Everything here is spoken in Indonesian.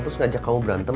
terus ngajak kamu berantem